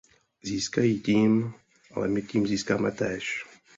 Získají tím, ale my tím získáme též.